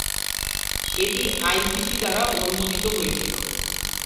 এটি আইসিসি দ্বারা অনুমোদিত হয়েছিল।